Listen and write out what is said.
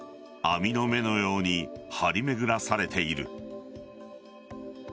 網の目のように張り巡らされている。